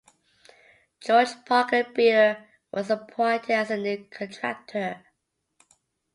George Parker Bidder was appointed as the new contractor.